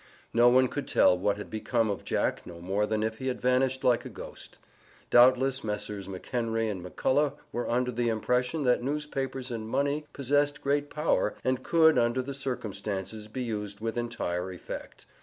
No one could tell what had become of Jack no more than if he had vanished like a ghost. Doubtless Messrs. McHenry and McCulloch were under the impression that newspapers and money possessed great power and could, under the circumstances, be used with entire effect.